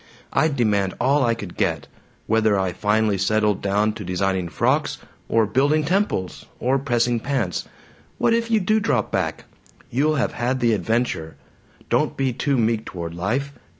I'd demand all I could get whether I finally settled down to designing frocks or building temples or pressing pants. What if you do drop back? You'll have had the adventure. Don't be too meek toward life!